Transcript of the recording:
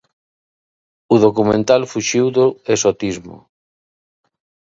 O documental fuxiu do exotismo.